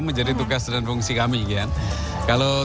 menjadi tugas dan fungsi kami